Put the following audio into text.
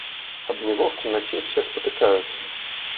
Об него в темноте все спотыкаются.